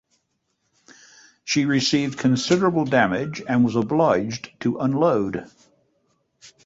She received considerable damage and was obliged to unload.